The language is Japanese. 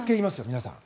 皆さん。